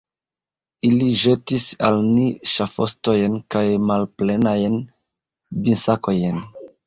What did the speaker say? Ili ĵetis al ni ŝafostojn kaj malplenajn vinsakojn.